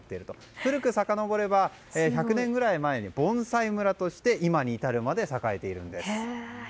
古くさかのぼれば１００年くらい前に盆栽村として今に至るまで栄えているんです。